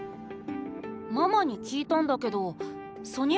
ママに聞いたんだけどソニア